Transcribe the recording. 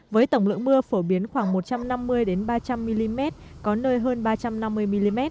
với tổng lượng mưa phổ biến khoảng một trăm năm mươi ba trăm linh mm có nơi hơn ba trăm năm mươi mm